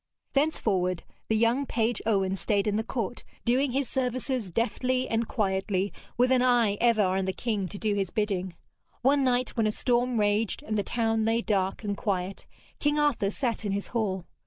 Thenceforward the young page Owen stayed in the court, doing his services deftly and quietly, with an eye ever on the king to do his bidding. One night, when a storm raged and the town lay dark and quiet, King Arthur sat in his hall.